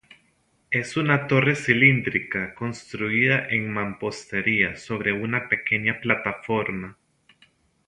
Es una torre cilíndrica, construida en mampostería sobre una pequeña plataforma.